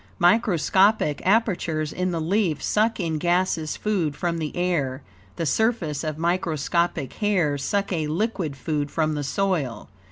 Microscopic apertures in the leaf suck in gaseous food from the air; the surfaces of microscopic hairs suck a liquid food from the soil.